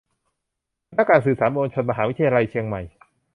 คณะการสื่อสารมวลชน มหาวิทยาลัยเชียงใหม่